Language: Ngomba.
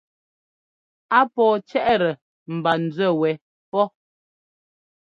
Á pɔ̌ɔ cɛ́ʼtɛ ḿba nzúɛ wɛ pɔ́.